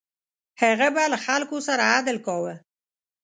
هغه به له خلکو سره عدل کاوه.